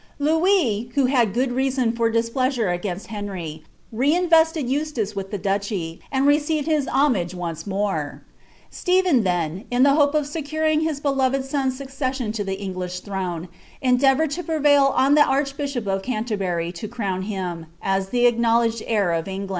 Louis, who had good reason for displeasure against Heat;, n invested Etislace with the duchy, and received his homage once laon, Stephen then, in tlic hope of securing this beloved sod's siiccessioD in the English throne, endeavoured to prevail on the archbishop of Cantt^ bury to crown him, as the acknowledged heir of England.